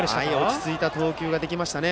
落ち着いた投球ができましたね。